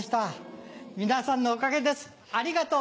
皆さんのおかげですありがとう。